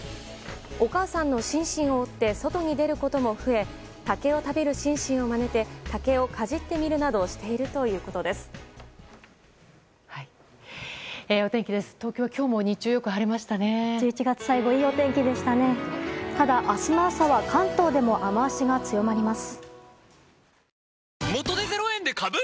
お母さんのシンシンを追って外に出ることも増え竹を食べるシンシンをまねて竹をかじってみるなどしているということです。